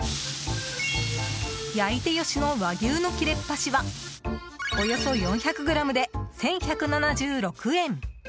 焼いて良しの和牛の切れっぱしはおよそ４００ｇで１１７６円！